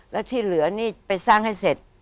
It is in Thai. แล้วที่เหลือนี่ไปสร้างให้เสร็จ